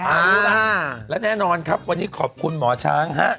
อ่าแล้วแน่นอนครับวันนี้ขอบคุณหมอช้างครับ